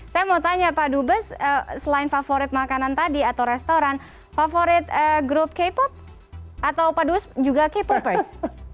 saya mau tanya pak duba selain favorite makanan tadi atau restoran favorite group k pop atau padus juga k popers